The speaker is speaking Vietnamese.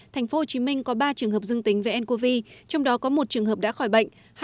tp hcm có ba trường hợp dương tính với ncov trong đó có một trường hợp đã khỏi bệnh